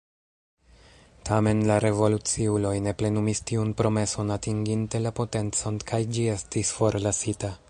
Tamen, la revoluciuloj ne plenumis tiun promeson atinginte la potencon kaj ĝi estis forlasita.